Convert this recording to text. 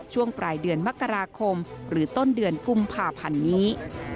ช่วงปลายเดือนมกราคมหรือต้นเดือนกุมภาพันธ์นี้